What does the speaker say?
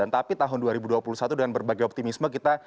tapi tahun dua ribu dua puluh satu dengan berbagai optimisme kita